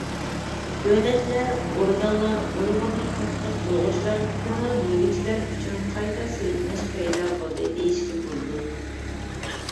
دۆلەتلەر، ئورگانلار، ئۇيغۇرنى تەتقىق قىلغۇچىلار، كۆڭۈل بۆلگۈچىلەر ئۈچۈن قايتا سىلكىنىش پەيدا قىلدى دېيىشكە بولىدۇ.